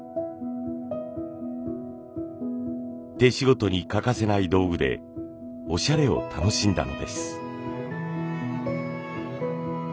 手仕事に欠かせない道具でおしゃれを楽しんだのです。